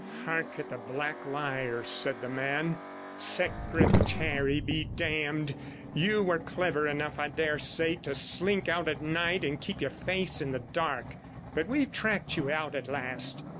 'Hark at the black liar,' said the man. 'Secretary be damned! You were clever enough, I dare say, to slink out at night and keep your face in the dark, but we've tracked you out at last.